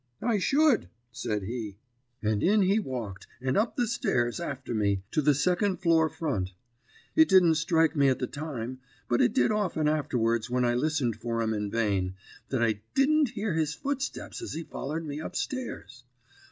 "'I should,' said he. "And in he walked, and up the stairs, after me, to the second floor front. It didn't strike me at the time, but it did often afterwards when I listened for 'em in vain, that I didn't hear his footsteps as he follered me up stairs.